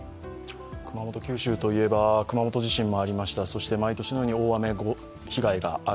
熊本、九州と言えば熊本地震もありました、そして毎年のように大雨被害がある。